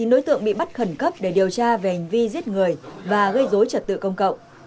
chín đối tượng bị bắt khẩn cấp để điều tra về hành vi giết người và gây dối trật tự công cộng